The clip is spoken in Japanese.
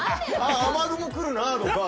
雨雲来るなとか。